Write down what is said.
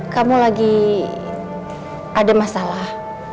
kamu lagi ada masalah